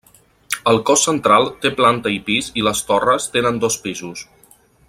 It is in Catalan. El cos central té planta i pis i les torres tenen dos pisos.